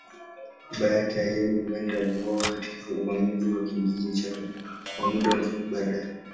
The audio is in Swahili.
Baba yake, Ayemi, huenda aliuawa katika uvamizi wa kijiji chake au muda mfupi baadaye.